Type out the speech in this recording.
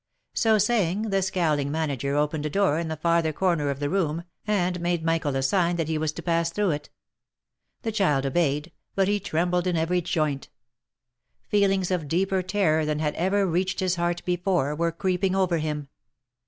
So saying, the scowling manager opened a door in the farther corner of the room, and made Michael a sign that he was to pass through it. The child obeyed, but he trembled in every joint. Feelings of deeper terror than had ever reached his heart before, were creeping over him.